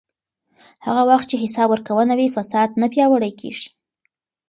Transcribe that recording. هغه وخت چې حساب ورکونه وي، فساد نه پیاوړی کېږي.